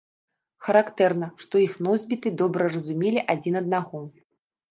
Характэрна, што іх носьбіты добра разумелі адзін аднаго.